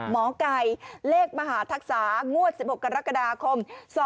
หมอไก่เลขมหาทักษางวด๑๖กรกฎาคม๒๕๖